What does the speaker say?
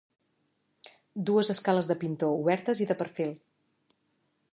Dues escales de pintor obertes i de perfil.